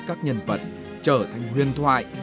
các nhân vật trở thành huyền thoại